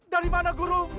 dari mana guru